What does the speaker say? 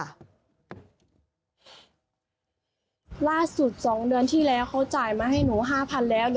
ล่าสุด๒เดือนที่แล้วเขาจ่ายมาให้หนู๕๐๐๐แล้ว